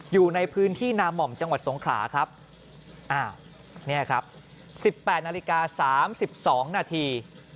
อยู่ในพื้นที่นาม่อมจังหวัดสงขลาครับอ้าวเนี่ยครับ๑๘นาฬิกา๓๒นาที